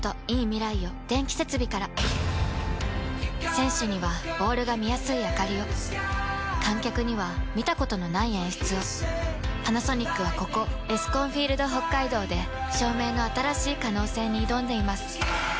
選手にはボールが見やすいあかりを観客には見たことのない演出をパナソニックはここエスコンフィールドＨＯＫＫＡＩＤＯで照明の新しい可能性に挑んでいます